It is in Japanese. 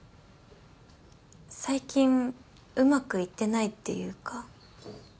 最近上手くいってないっていうか。